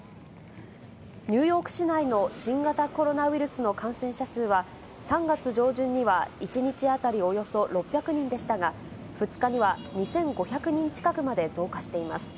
ニューヨーク市内の新型コロナウイルスの感染者数は、３月上旬には１日当たりおよそ６００人でしたが、２日には２５００人近くまで増加しています。